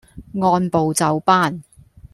按部就班